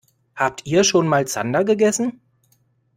Habt ihr schon mal Zander gegessen?